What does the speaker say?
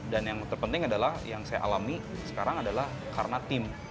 dan yang terpenting adalah yang saya alami sekarang adalah karena tim